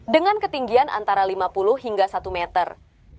dengan ketinggian antara lima puluh hingga satu meter